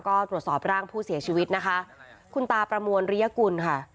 ก็ตรวจสอบร่างผู้เสียชีวิตนะคะคุณตาประมวลริยกุลค่ะ